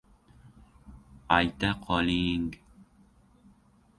— Ayta qo-li-i-ing.